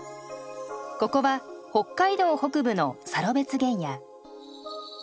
ここは北海道北部のサロベツ原野。